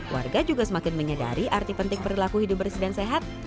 warga juga semakin menyadari arti penting berlaku hidup bersih dan sehat